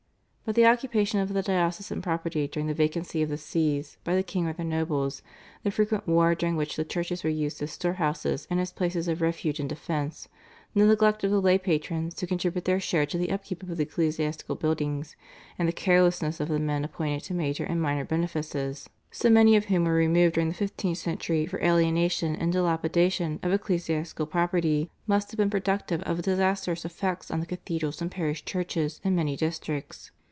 But the occupation of the diocesan property during the vacancy of the Sees by the king or the nobles, the frequent wars during which the churches were used as store houses and as places of refuge and defence, the neglect of the lay patrons to contribute their share to the upkeep of the ecclesiastical buildings, and the carelessness of the men appointed to major and minor benefices, so many of whom were removed during the fifteenth century for alienation and dilapidation of ecclesiastical property, must have been productive of disastrous effects on the cathedrals and parish churches in many districts.